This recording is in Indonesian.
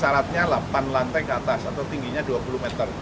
syaratnya delapan lantai ke atas atau tingginya dua puluh meter